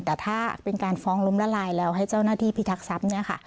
แต่ถ้าเป็นการฟ้องล้มละลายแล้วให้เจ้าหน้าที่พิทักษัพเนี่ยค่ะ